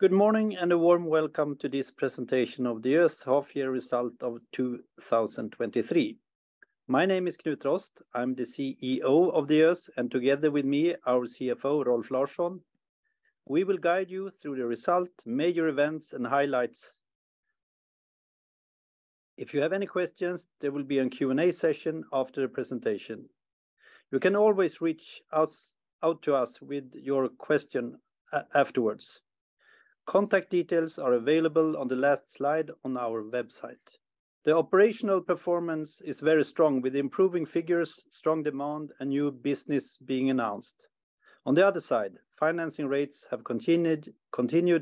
Good morning, and a warm welcome to this presentation of the Diös half-year result of 2023. My name is Knut Rost. I'm the CEO of Diös, and together with me, our CFO, Rolf Larsson, we will guide you through the result, major events, and highlights. If you have any questions, there will be a Q&A session after the presentation. You can always reach out to us with your question afterwards. Contact details are available on the last slide on our website. The operational performance is very strong, with improving figures, strong demand, and new business being announced. On the other side, financing rates have continued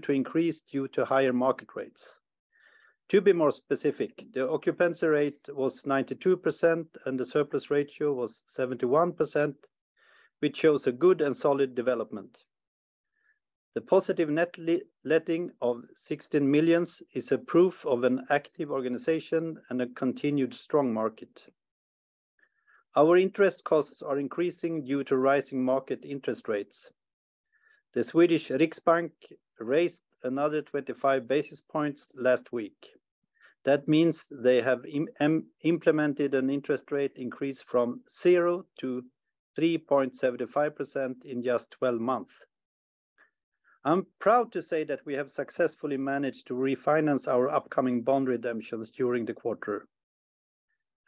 to increase due to higher market rates. To be more specific, the occupancy rate was 92%, and the surplus ratio was 71%, which shows a good and solid development. The positive net letting of 16 million is a proof of an active organization and a continued strong market. Our interest costs are increasing due to rising market interest rates. The Swedish Riksbank raised another 25 basis points last week. That means they have implemented an interest rate increase from 0 to 3.75% in just 12 months. I'm proud to say that we have successfully managed to refinance our upcoming bond redemptions during the quarter.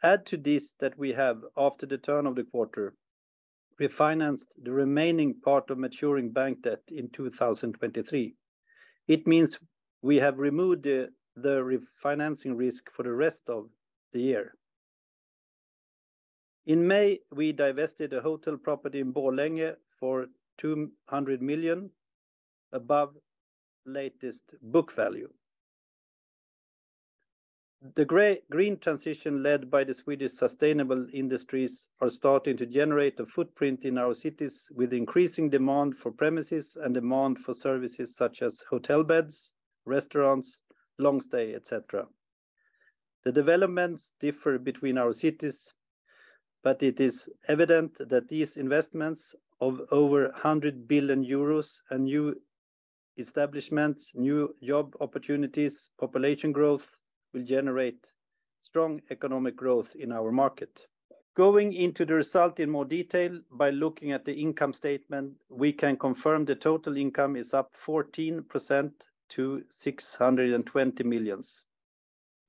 Add to this that we have, after the turn of the quarter, refinanced the remaining part of maturing bank debt in 2023. It means we have removed the refinancing risk for the rest of the year. In May, we divested a hotel property in Borlänge for 200 million, above latest book value. The green transition, led by the Swedish sustainable industries, are starting to generate a footprint in our cities, with increasing demand for premises and demand for services, such as hotel beds, restaurants, long stay, et cetera. The developments differ between our cities, it is evident that these investments of over 100 billion euros and new establishments, new job opportunities, population growth, will generate strong economic growth in our market. Going into the result in more detail by looking at the income statement, we can confirm the total income is up 14% to 620 million.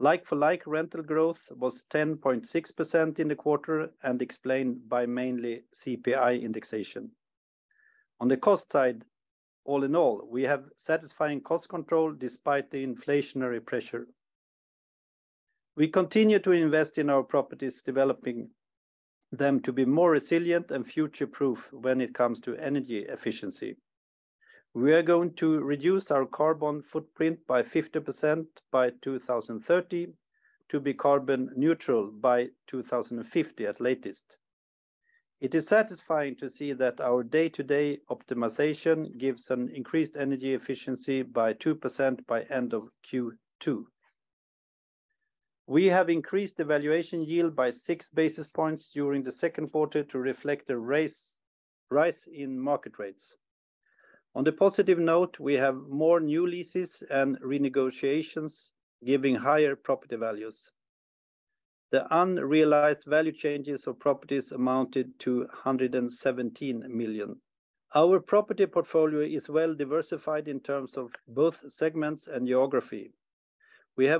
Like for like, rental growth was 10.6% in the quarter and explained by mainly CPI indexation. On the cost side, all in all, we have satisfying cost control despite the inflationary pressure. We continue to invest in our properties, developing them to be more resilient and future-proof when it comes to energy efficiency. We are going to reduce our carbon footprint by 50% by 2030, to be carbon neutral by 2050 at latest. It is satisfying to see that our day-to-day optimization gives an increased energy efficiency by 2% by end of Q2. We have increased the valuation yield by 6 basis points during the second quarter to reflect the rise in market rates. On the positive note, we have more new leases and renegotiations, giving higher property values. The unrealized value changes of properties amounted to 117 million. Our property portfolio is well diversified in terms of both segments and geography. We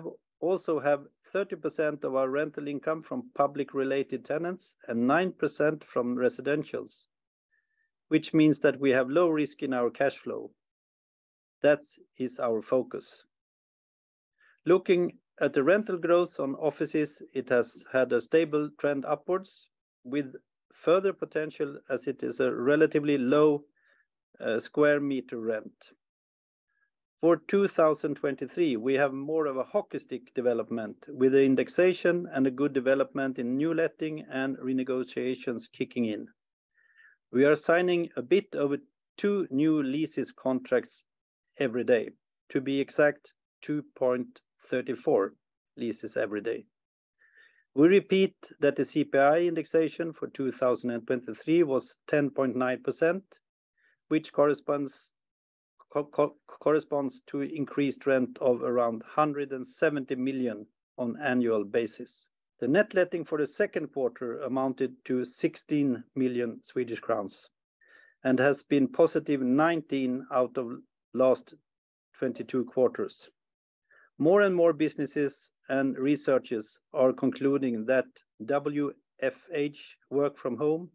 also have 30% of our rental income from public-related tenants and 9% from residentials, which means that we have low risk in our cash flow. That is our focus. Looking at the rental growth on offices, it has had a stable trend upwards, with further potential, as it is a relatively low square meter rent. For 2023, we have more of a hockey stick development, with the indexation and a good development in new letting and renegotiations kicking in. We are signing a bit over 2 new leases contracts every day. To be exact, 2.34 leases every day. We repeat that the CPI indexation for 2023 was 10.9%, which corresponds to increased rent of around 170 million on annual basis. The net letting for the second quarter amounted to 16 million Swedish crowns and has been positive 19 out of last 22 quarters. More and more businesses and researchers are concluding that WFH, work from home,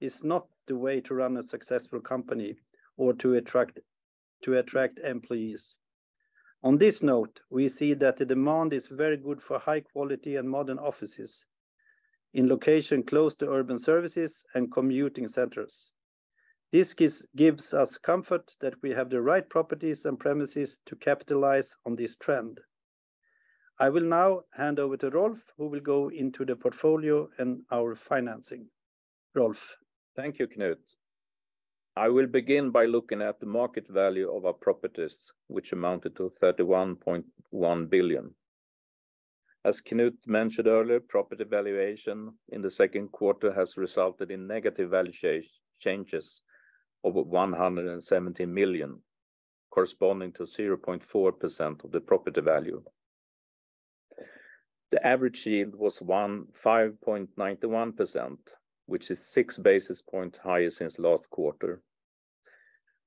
is not the way to run a successful company or to attract employees. On this note, we see that the demand is very good for high quality and modern offices in location close to urban services and commuting centers. This gives us comfort that we have the right properties and premises to capitalize on this trend. I will now hand over to Rolf, who will go into the portfolio and our financing. Rolf? Thank you, Knut. I will begin by looking at the market value of our properties, which amounted to 31.1 billion. As Knut mentioned earlier, property valuation in the second quarter has resulted in negative valuation changes of 170 million, corresponding to 0.4% of the property value. The average yield was 5.91%, which is 6 basis points higher since last quarter.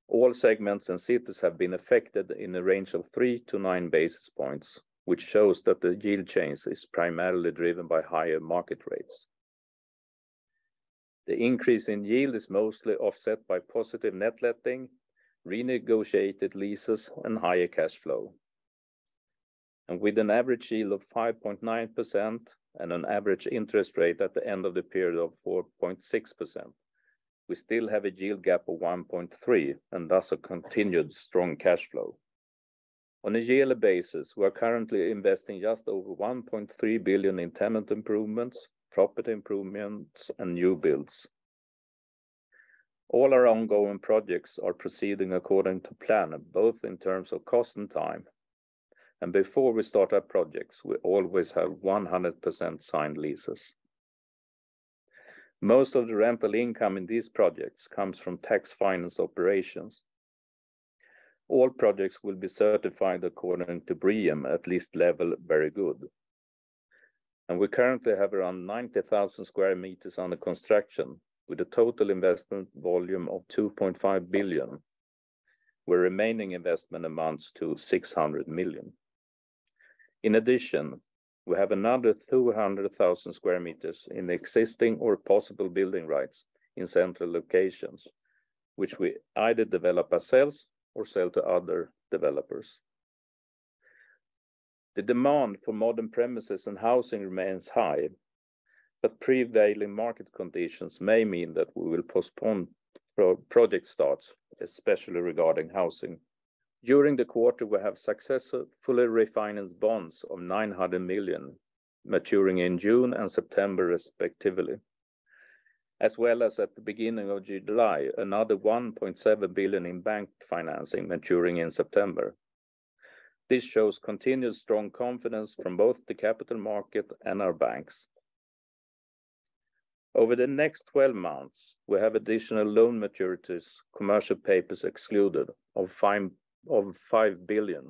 All segments and cities have been affected in the range of 3-9 basis points, which shows that the yield change is primarily driven by higher market rates. The increase in yield is mostly offset by positive net letting, renegotiated leases, and higher cash flow. With an average yield of 5.9% and an average interest rate at the end of the period of 4.6%, we still have a yield gap of 1.3, and thus a continued strong cash flow. On a yearly basis, we are currently investing just over 1.3 billion in tenant improvements, property improvements, and new builds. All our ongoing projects are proceeding according to plan, both in terms of cost and time, and before we start our projects, we always have 100% signed leases. Most of the rental income in these projects comes from tax finance operations. All projects will be certified according to BREEAM, at least level Very Good. We currently have around 90,000 sq m under construction, with a total investment volume of 2.5 billion, where remaining investment amounts to 600 million. We have another 200,000 square meters in existing or possible building rights in central locations, which we either develop ourselves or sell to other developers. The demand for modern premises and housing remains high, prevailing market conditions may mean that we will postpone pro-project starts, especially regarding housing. During the quarter, we have successfully refinanced bonds of 900 million, maturing in June and September, respectively, as well as at the beginning of July, another 1.7 billion in bank financing maturing in September. This shows continued strong confidence from both the capital market and our banks. Over the next 12 months, we have additional loan maturities, commercial paper excluded, of 5 billion,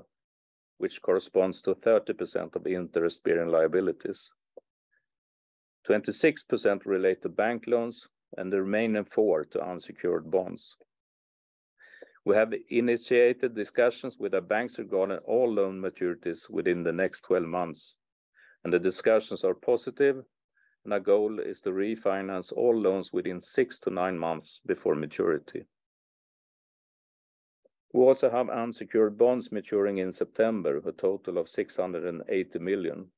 which corresponds to 30% of the interest-bearing liabilities. 26% relate to bank loans, the remaining 4 to unsecured bonds. We have initiated discussions with our banks regarding all loan maturities within the next 12 months, and the discussions are positive, and our goal is to refinance all loans within 6-9 months before maturity. We also have unsecured bonds maturing in September of a total of 680 million.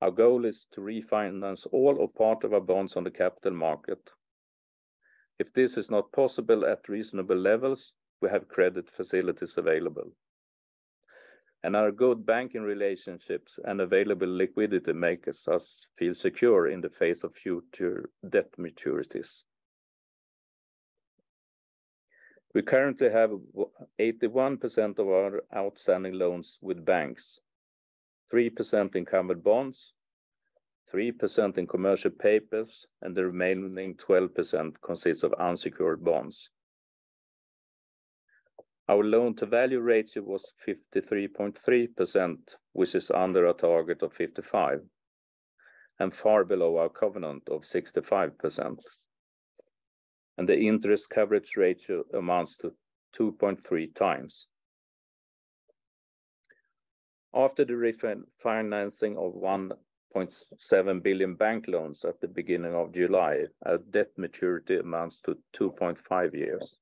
Our goal is to refinance all or part of our bonds on the capital market. If this is not possible at reasonable levels, we have credit facilities available, and our good banking relationships and available liquidity makes us feel secure in the face of future debt maturities. We currently have 81% of our outstanding loans with banks, 3% unencumbered bonds, 3% in commercial paper, and the remaining 12% consists of unsecured bonds. Our loan-to-value ratio was 53.3%, which is under our target of 55% and far below our covenant of 65%. The interest coverage ratio amounts to 2.3 times. After the financing of 1.7 billion bank loans at the beginning of July, our debt maturity amounts to 2.5 years.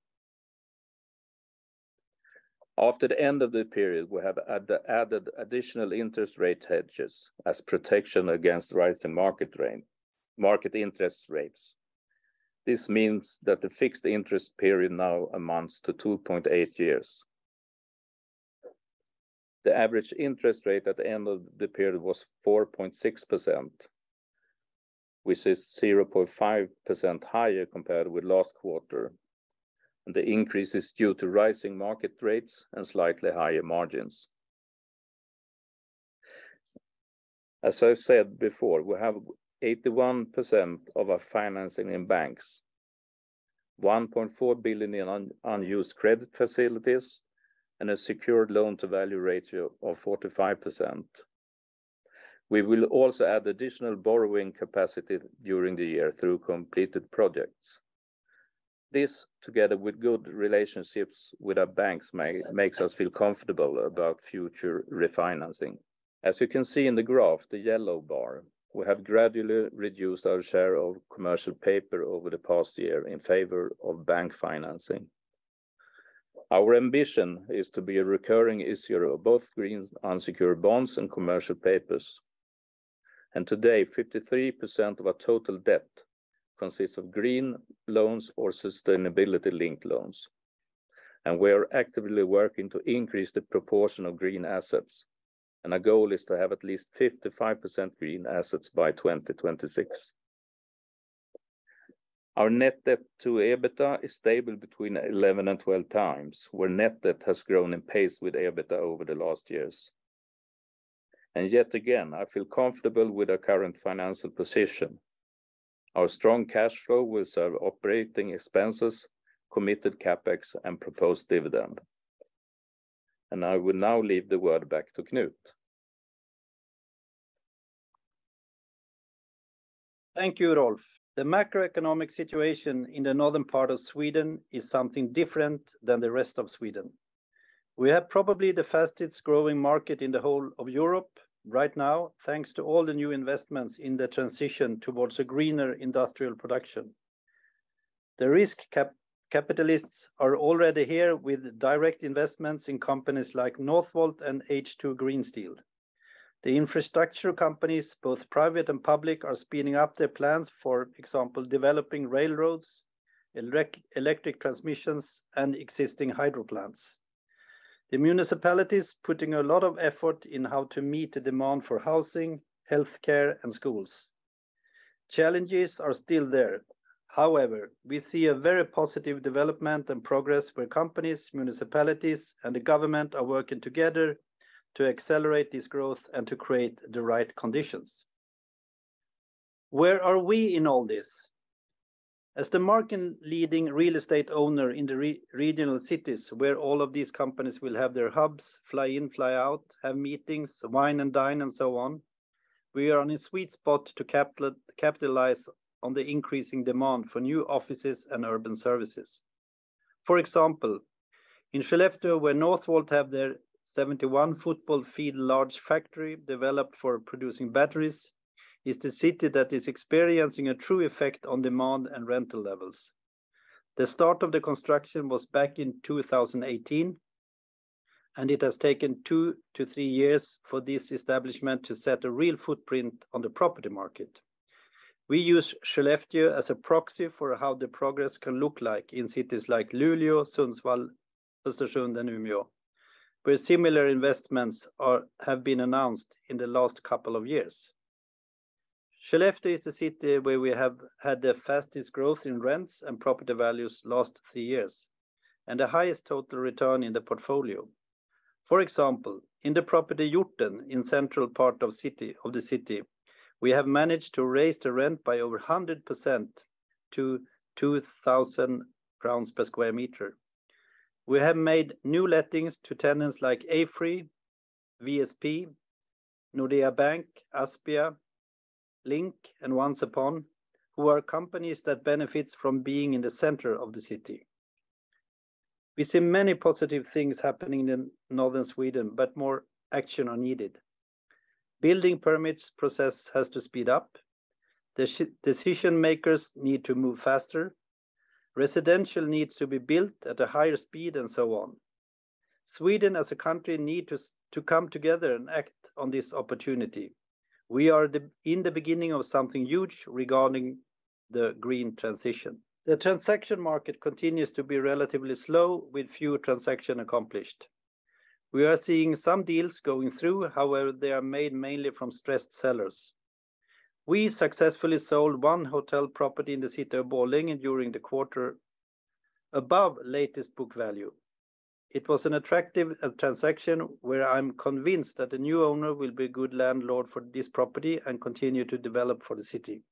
After the end of the period, we have added additional interest rate hedges as protection against rising market interest rates. This means that the fixed interest period now amounts to 2.8 years. The average interest rate at the end of the period was 4.6%, which is 0.5% higher compared with last quarter. The increase is due to rising market rates and slightly higher margins. As I said before, we have 81% of our financing in banks, 1.4 billion in unused credit facilities, and a secured loan-to-value ratio of 45%. We will also add additional borrowing capacity during the year through completed projects. This, together with good relationships with our banks, makes us feel comfortable about future refinancing. As you can see in the graph, the yellow bar, we have gradually reduced our share of commercial paper over the past year in favor of bank financing. Our ambition is to be a recurring issuer of both green unsecured bonds and commercial paper, and today, 53% of our total debt consists of green loans or sustainability-linked loans. We are actively working to increase the proportion of green assets, and our goal is to have at least 55% green assets by 2026. Our net debt to EBITDA is stable between 11 and 12 times, where net debt has grown in pace with EBITDA over the last years. Yet again, I feel comfortable with our current financial position. Our strong cash flow will serve operating expenses, committed CapEx, and proposed dividend. I will now leave the word back to Knut. Thank you, Rolf. The macroeconomic situation in the northern part of Sweden is something different than the rest of Sweden. We have probably the fastest-growing market in the whole of Europe right now, thanks to all the new investments in the transition towards a greener industrial production. The risk capitalists are already here with direct investments in companies like Northvolt and H2 Green Steel. The infrastructure companies, both private and public, are speeding up their plans, for example, developing railroads, electric transmissions, and existing hydro plants. The municipalities putting a lot of effort in how to meet the demand for housing, healthcare, and schools. Challenges are still there. However, we see a very positive development and progress where companies, municipalities, and the government are working together to accelerate this growth and to create the right conditions. Where are we in all this? As the market leading real estate owner in the regional cities, where all of these companies will have their hubs, fly in, fly out, have meetings, wine and dine, and so on, we are on a sweet spot to capitalize on the increasing demand for new offices and urban services. For example, in Skellefteå, where Northvolt have their 71 football field large factory developed for producing batteries, is the city that is experiencing a true effect on demand and rental levels. The start of the construction was back in 2018. It has taken 2-3 years for this establishment to set a real footprint on the property market. We use Skellefteå as a proxy for how the progress can look like in cities like Luleå, Sundsvall, Östersund, and Umeå, where similar investments have been announced in the last couple of years. Skellefteå is the city where we have had the fastest growth in rents and property values last three years and the highest total return in the portfolio. For example, in the property Jotten, in central part of the city, we have managed to raise the rent by over 100% to 2,000 per square meter. We have made new lettings to tenants like AFRY, WSP, Nordea Bank, Aspia, Link, and Once Upon, who are companies that benefits from being in the center of the city. More action are needed. Building permits process has to speed up. Decision makers need to move faster. Residential needs to be built at a higher speed, and so on. Sweden, as a country, need to come together and act on this opportunity. We are in the beginning of something huge regarding the green transition. The transaction market continues to be relatively slow, with few transaction accomplished. We are seeing some deals going through. However, they are made mainly from stressed sellers. We successfully sold 1 hotel property in the city of Borlänge during the quarter, above latest book value. It was an attractive transaction, where I'm convinced that the new owner will be a good landlord for this property and continue to develop for the city.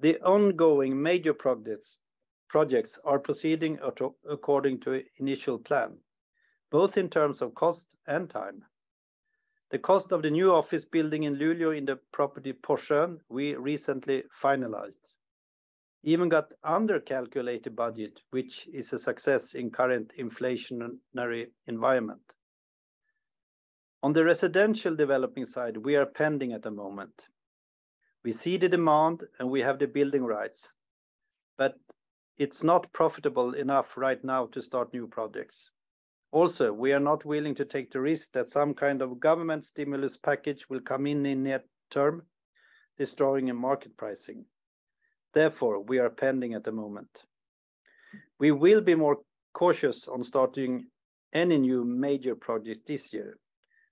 The ongoing major projects are proceeding according to initial plan, both in terms of cost and time. The cost of the new office building in Luleå in the property Porsön, we recently finalized. Even got under calculated budget, which is a success in current inflationary environment. On the residential developing side, we are pending at the moment. We see the demand, and we have the building rights, but it's not profitable enough right now to start new projects. We are not willing to take the risk that some kind of government stimulus package will come in in near term, destroying a market pricing. We are pending at the moment. We will be more cautious on starting any new major projects this year.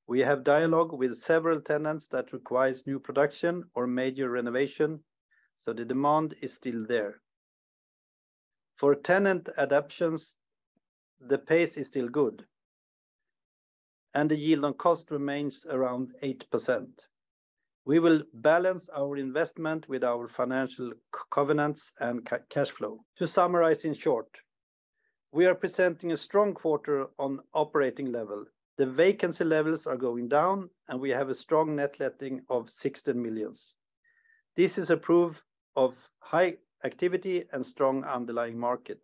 We have dialogue with several tenants that requires new production or major renovation, so the demand is still there. For tenant adaptations, the pace is still good, and the yield on cost remains around 8%. We will balance our investment with our financial covenants and cash flow. To summarize in short, we are presenting a strong quarter on operating level. The vacancy levels are going down, and we have a strong net letting of 16 million. This is a proof of high activity and strong underlying market.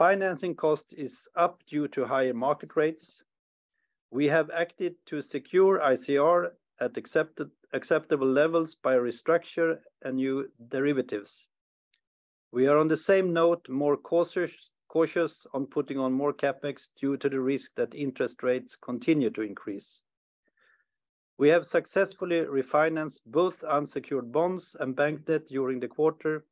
Financing cost is up due to higher market rates. We have acted to secure ICR at acceptable levels by restructure and new derivatives. We are, on the same note, more cautious on putting on more CapEx due to the risk that interest rates continue to increase. We have successfully refinanced both unsecured bonds and bank debt during the quarter,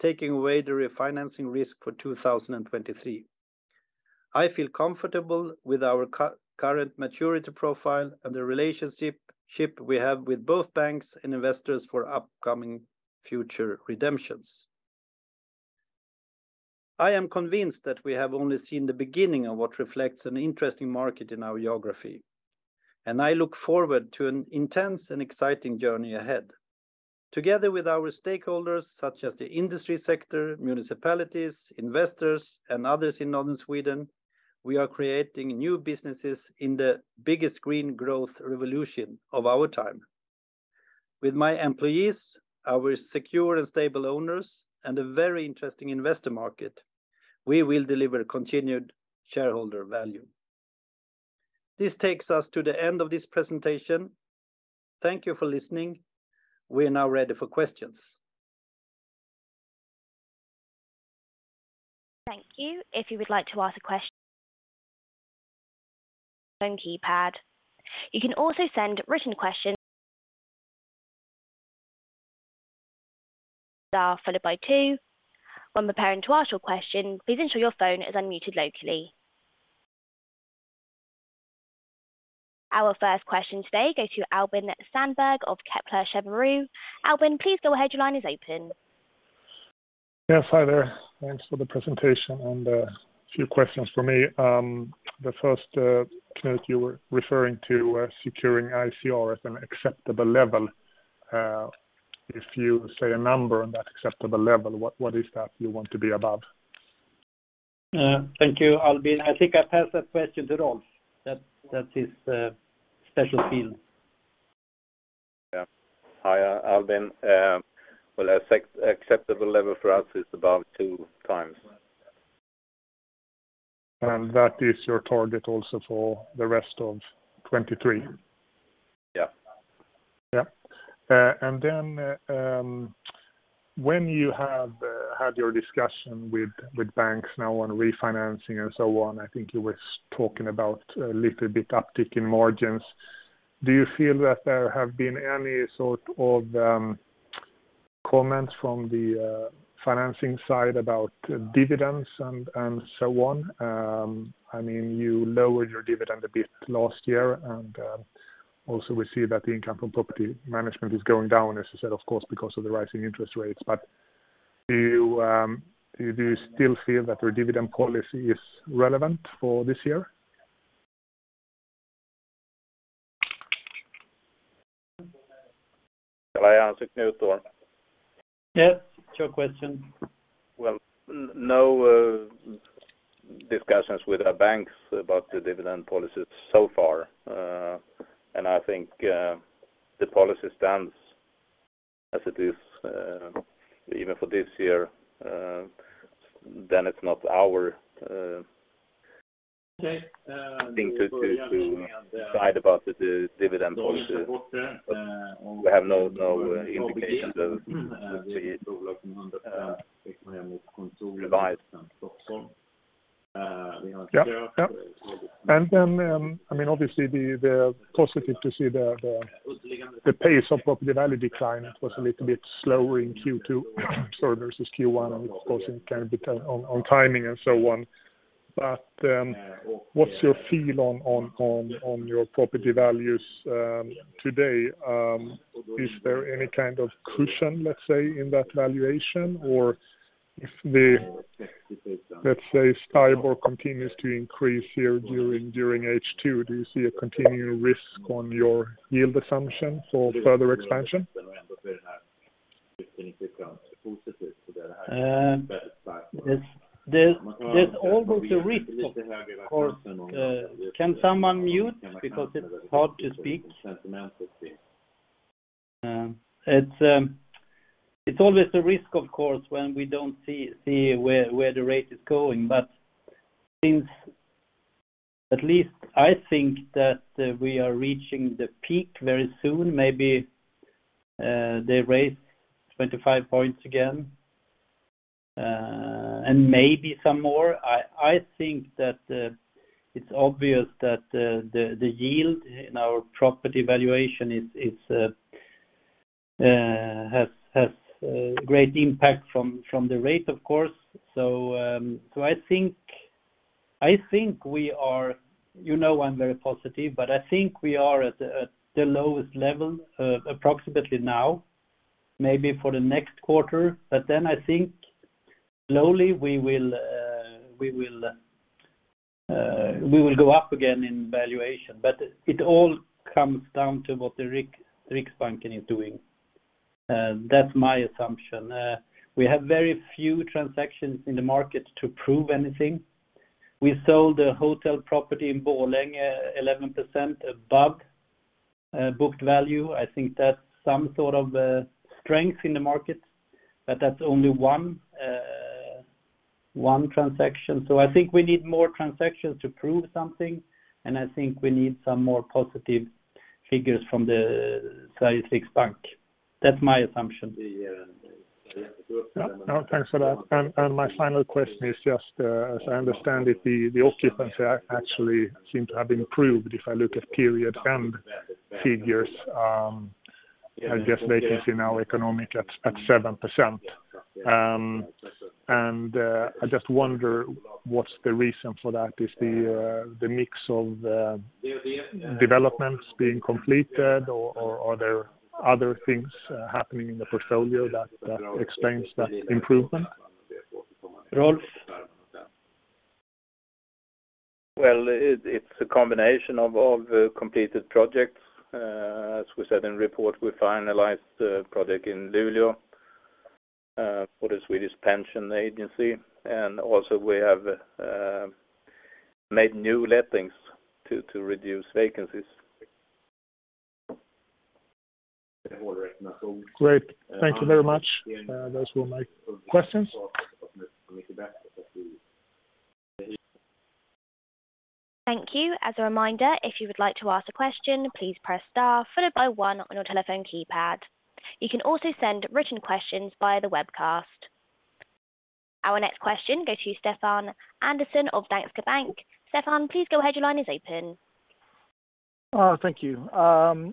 taking away the refinancing risk for 2023. I feel comfortable with our current maturity profile and the relationship we have with both banks and investors for upcoming future redemptions. I am convinced that we have only seen the beginning of what reflects an interesting market in our geography, and I look forward to an intense and exciting journey ahead. Together with our stakeholders, such as the industry sector, municipalities, investors, and others in northern Sweden, we are creating new businesses in the biggest green growth revolution of our time. With my employees, our secure and stable owners, and a very interesting investor market, we will deliver continued shareholder value. This takes us to the end of this presentation. Thank you for listening. We are now ready for questions. Thank you. If you would like to ask a question, phone keypad. You can also send written questions, are followed by two. When preparing to ask your question, please ensure your phone is unmuted locally. Our first question today goes to Albin Sandberg of Kepler Cheuvreux. Albin, please go ahead. Your line is open. Yes, hi there. Thanks for the presentation. A few questions for me. The first, Knut, you were referring to, securing ICR at an acceptable level. If you say a number on that acceptable level, what is that you want to be about? Thank you, Albin. I think I pass that question to Rolf. That is special field. Yeah. Hi, Albin. well, acceptable level for us is about two times. That is your target also for the rest of 2023? Yeah. Yeah. When you have had your discussion with banks now on refinancing and so on, I think you were talking about a little bit uptick in margins. Do you feel that there have been any sort of comments from the financing side about dividends and so on? I mean, you lowered your dividend a bit last year, and also we see that the income from property management is going down, as you said, of course, because of the rising interest rates. Do you still feel that your dividend policy is relevant for this year? Can I answer, Knut, or? Yes, it's your question. No discussions with our banks about the dividend policy so far. I think the policy stands as it is even for this year. It's not our Okay. thing to decide about the dividend policy. We have no indication of advice. Yeah, yeah. I mean, obviously, the positive to see the pace of property value decline was a little bit slower in Q2 versus Q1, and of course, it can be on timing and so on. What's your feel on your property values today, is there any kind of cushion, let's say, in that valuation? If the, let's say, STIBOR continues to increase here during H2, do you see a continuing risk on your yield assumption for further expansion? There's always a risk, of course. Can someone mute? Because it's hard to speak. It's always a risk, of course, when we don't see where the rate is going. Since at least I think that we are reaching the peak very soon, maybe they raise 25 points again and maybe some more. I think that it's obvious that the yield in our property valuation has a great impact from the rate, of course. I think we are... You know, I'm very positive, but I think we are at the lowest level approximately now, maybe for the next quarter, but then I think slowly we will go up again in valuation, but it all comes down to what the Riksbanken is doing. That's my assumption. We have very few transactions in the market to prove anything. We sold a hotel property in Borlänge, 11% above booked value. I think that's some sort of strength in the market. That's only one transaction. I think we need more transactions to prove something. I think we need some more positive figures from the Sveriges Riksbank. That's my assumption. Yeah. No, thanks for that. And my final question is just, as I understand it, the occupancy actually seem to have improved, if I look at period end figures. I guess vacancy now economic at 7%. I just wonder what's the reason for that? Is the mix of developments being completed, or are there other things happening in the portfolio that explains that improvement? Rolf? Well, it's a combination of completed projects. As we said in report, we finalized the project in Luleå for the Swedish Pensions Agency, and also we have made new lettings to reduce vacancies. Great. Thank you very much. Those were my questions. Thank you. As a reminder, if you would like to ask a question, please press star followed by one on your telephone keypad. You can also send written questions via the webcast. Our next question goes to Stefan Andersson of Danske Bank. Stefan, please go ahead. Your line is open. Thank you.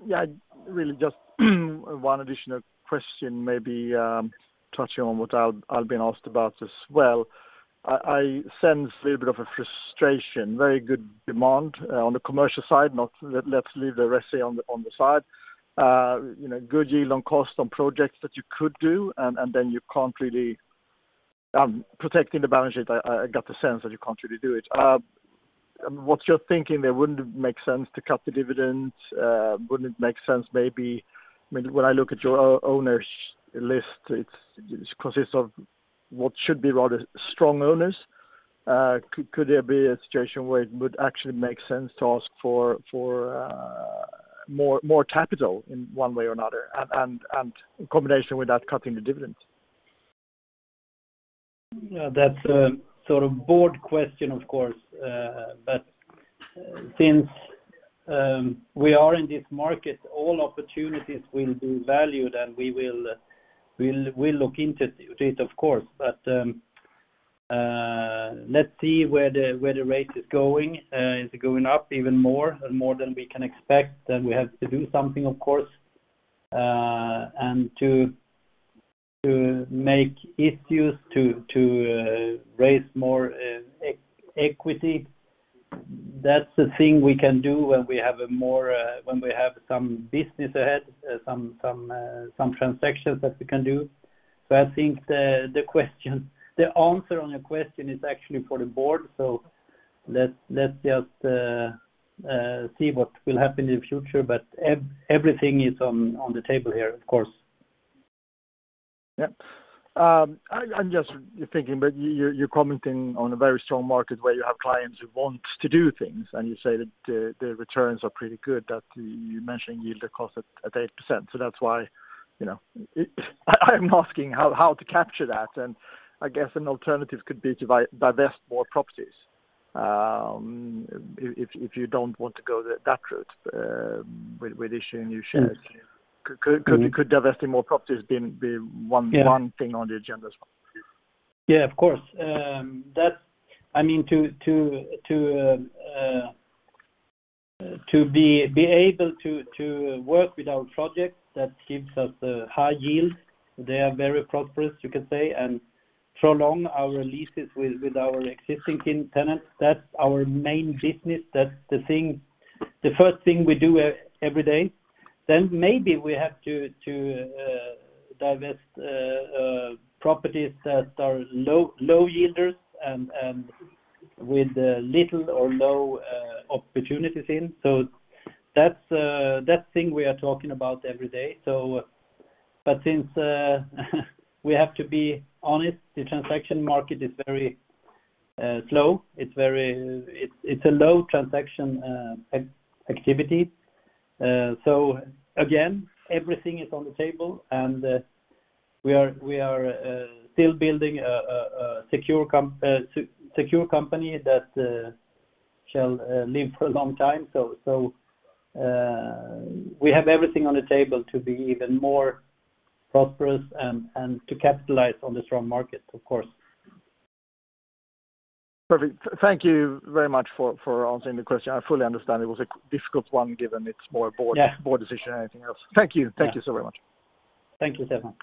Yeah, really, just one additional question, maybe, touching on what I've been asked about as well. I sense a little bit of a frustration, very good demand on the commercial side, let's leave the rest on the side. You know, good yield on cost on projects that you could do, and then you can't really, protecting the balance sheet. I got the sense that you can't really do it. What's your thinking? It wouldn't make sense to cut the dividend, wouldn't it make sense maybe? I mean, when I look at your owners list, it consists of what should be rather strong owners. Could there be a situation where it would actually make sense to ask for more capital in one way or another, and in combination with that, cutting the dividend? Yeah, that's a sort of board question, of course. Since we are in this market, all opportunities will be valued, and we will, we look into it, of course. Let's see where the rate is going. Is it going up even more and more than we can expect, then we have to do something, of course. To make issues to raise more equity, that's the thing we can do when we have a more, when we have some business ahead, some transactions that we can do. I think the question, the answer on your question is actually for the board. Let's just see what will happen in the future, but everything is on the table here, of course. Yeah. I'm just thinking, but you're commenting on a very strong market where you have clients who want to do things, and you say that the returns are pretty good, that you mentioned yield on cost at 8%. That's why, you know, it, I'm asking how to capture that. I guess an alternative could be to divest more properties. If you don't want to go that route, with issuing new shares. Mm-hmm. Could divesting more properties be. Yeah one thing on the agenda as well? Yeah, of course. That, I mean, to be able to work with our projects, that gives us a high yield. They are very prosperous, you could say, and prolong our leases with our existing tenants. That's our main business. That's the thing, the first thing we do every day. Maybe we have to divest properties that are low yielders and with little or no opportunities in. That's that thing we are talking about every day. But since we have to be honest, the transaction market is very slow. It's very, it's a low transaction activity. Again, everything is on the table. We are still building a secure company that shall live for a long time. We have everything on the table to be even more prosperous and to capitalize on the strong market, of course. Perfect. Thank you very much for answering the question. I fully understand it was a difficult one, given it's more a board- Yeah board decision than anything else. Thank you. Yeah. Thank you so very much. Thank you, Stefan.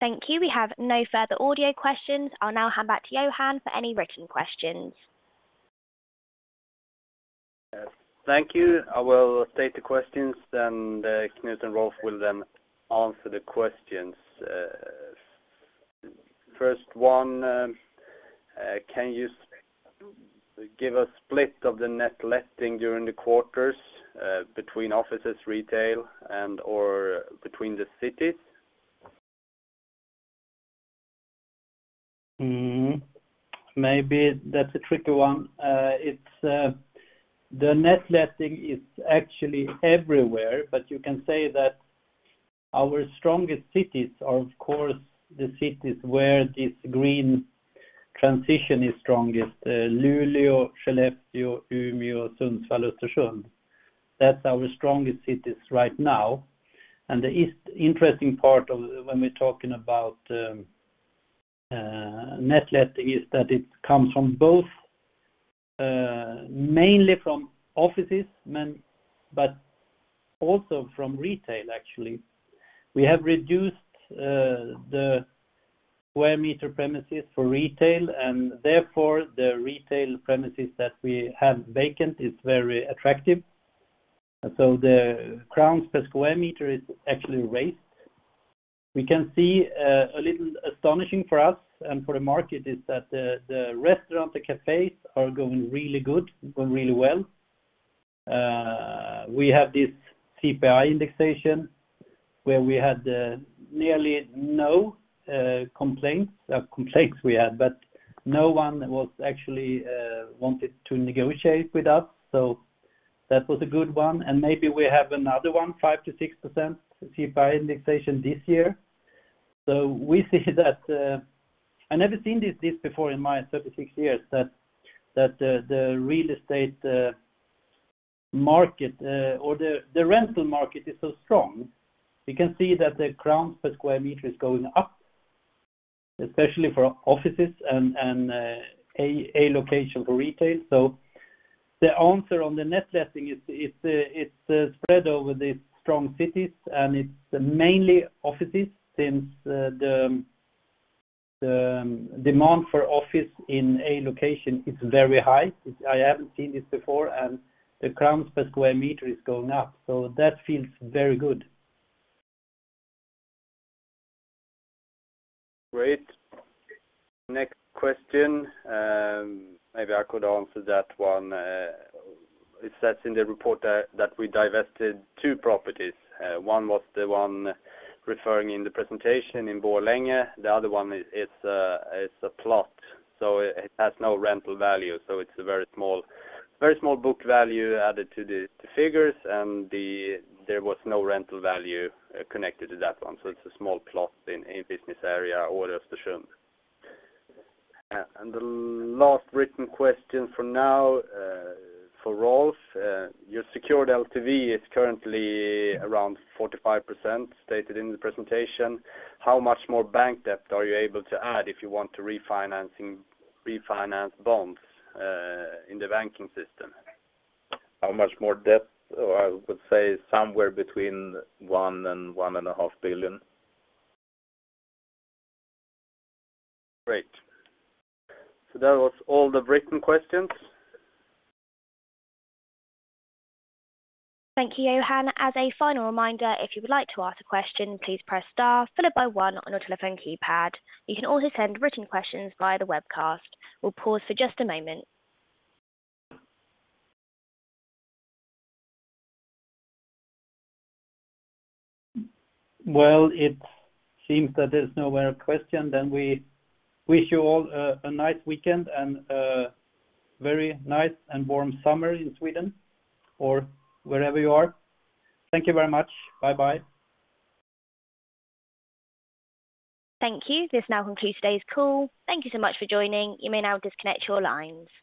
Thank you. We have no further audio questions. I'll now hand back to Johan for any written questions. Yes. Thank you. I will state the questions. Knut and Rolf will then answer the questions. First one: Can you give a split of the net letting during the quarters between offices, retail, and or between the cities? Maybe that's a tricky one. It's the net letting is actually everywhere, but you can say that our strongest cities are, of course, the cities where this green transition is strongest. Luleå, Skellefteå, Umeå, Sundsvall, Östersund. That's our strongest cities right now. The interesting part of when we're talking about net letting is that it comes from mainly from offices, but also from retail, actually. We have reduced the square meter premises for retail, and therefore, the retail premises that we have vacant is very attractive. The SEK per square meter is actually raised. We can see a little astonishing for us and for the market, is that the restaurant, the cafes are going really well. We have this CPI indexation, where we had nearly no complaints. Complaints we had, but no one was actually wanted to negotiate with us, so that was a good one, and maybe we have another one, 5%-6% CPI indexation this year. We see that I never seen this before in my 36 years, that the real estate market or the rental market is so strong. We can see that the SEK per square meter is going up, especially for offices and A-location for retail. The answer on the net letting is spread over the strong cities, and it's mainly offices, since the demand for office in A-location is very high. I haven't seen this before, and the SEK per square meter is going up. That feels very good. Great. Next question. Maybe I could answer that one. It says in the report that we divested 2 properties. One was the one referring in the presentation in Borlänge. The other one is a plot, so it has no rental value, so it's a very small book value added to the figures, and there was no rental value connected to that one. It's a small plot in a business area or Östersund. The last written question for now for Rolf. Your secured LTV is currently around 45%, stated in the presentation. How much more bank debt are you able to add if you want to refinance bonds in the banking system? How much more debt? I would say somewhere between 1 billion and SEK 1.5 billion. That was all the written questions. Thank you, Johan. As a final reminder, if you would like to ask a question, please press star, followed by one on your telephone keypad. You can also send written questions via the webcast. We'll pause for just a moment. Well, it seems that there's no more question, we wish you all a nice weekend and a very nice and warm summer in Sweden or wherever you are. Thank you very much. Bye bye. Thank you. This now concludes today's call. Thank you so much for joining. You may now disconnect your lines.